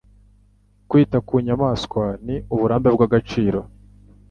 Kwita ku nyamaswa ni uburambe bw'agaciro.